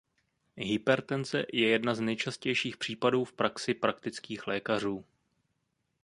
Hypertenze je jedna z nejčastějších případů v praxi praktických lékařů.